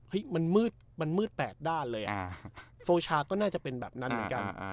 เฮ้ยมันมืดมันมืดแปลกด้านเลยอ่ะอ่าโซชาก็น่าจะเป็นแบบนั้นเหมือนกันอ่า